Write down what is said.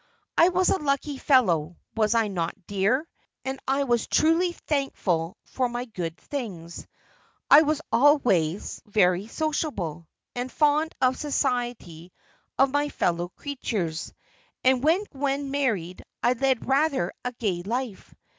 "I was a lucky fellow, was I not, dear? and I was truly thankful for my good things. I was always very sociable, and fond of the society of my fellow creatures, and when Gwen married I led rather a gay life.